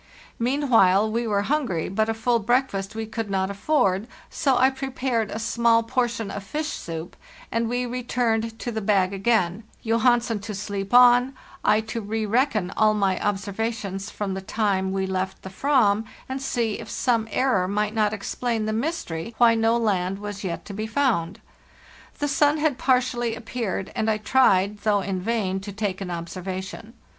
Meanwhile we were hungry, but a full breakfast we could not afford, so I prepared a small portion of fish soup, and we re turned to the bag again— Johansen to sleep on, I to rereckon all my observations from the time we left the Fram, and see if some error might not explain the mystery why no land was yet to be found. The sun had partially appeared, and I tried, though in vain, to take an observation.